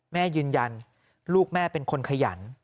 แม่ยืนยันลูกแม่เป็นคนขยัน